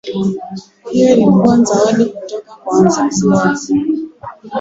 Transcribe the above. hiyo ilikuwa zawadi kutoka kwa wazazi wake